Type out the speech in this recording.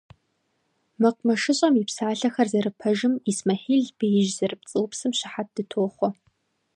- МэкъумэшыщӀэм и псалъэхэр зэрыпэжым, Исмэхьил беижь зэрыпцӀыупсым щыхьэт дытохъуэ.